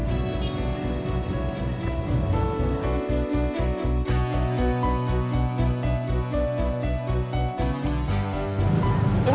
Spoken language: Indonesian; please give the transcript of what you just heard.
gue mau ambil gambar